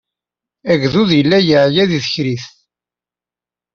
Agdud yella yeɛya deg tekriṭ.